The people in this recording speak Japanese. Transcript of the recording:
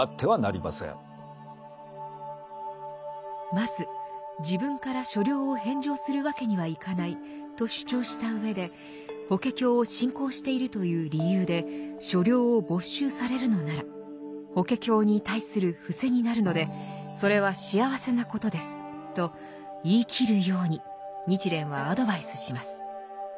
まず「自分から所領を返上するわけにはいかない」と主張した上で「法華経」を信仰しているという理由で所領を没収されるのならと言い切るように日蓮はアドバイスします。